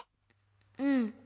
うん。